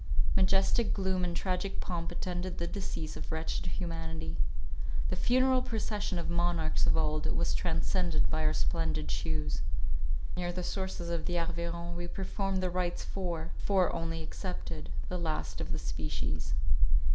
Majestic gloom and tragic pomp attended the decease of wretched humanity. The funeral procession of monarchs of old, was transcended by our splendid shews. Near the sources of the Arveiron we performed the rites for, four only excepted, the last of the species.